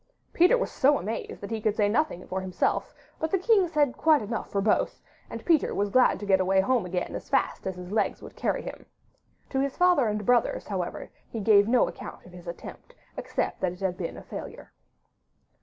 Peter was so amazed that he could say nothing for himself, but the king said quite enough for both, and Peter was glad to get away home again as fast as his legs would carry him. To his father and brothers, however, he gave no account of his attempt, except that it had been a failure.